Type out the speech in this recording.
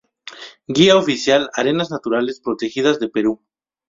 Guía Oficial Áreas Naturales Protegidas de Perú